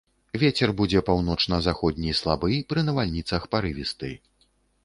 Вецер будзе паўночна-заходні слабы, пры навальніцах парывісты.